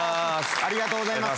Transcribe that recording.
ありがとうございます